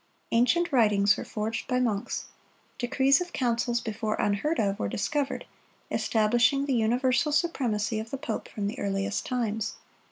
Ancient writings were forged by monks. Decrees of councils before unheard of, were discovered, establishing the universal supremacy of the pope from the earliest times.